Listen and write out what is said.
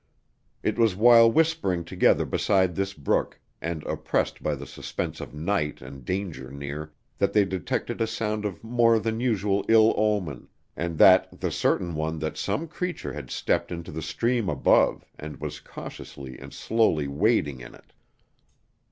It was while whispering together beside this brook, and oppressed by the suspense of night and danger near, that they detected a sound of more than usual ill omen, and that, the certain one that some creature had stepped into the stream above, and was cautiously and slowly wading in it.